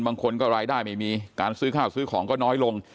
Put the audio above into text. บางคนก็รายได้ไม่มีการซื้อข้าวซื้อของก็น้อยลง